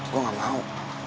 saya tidak mau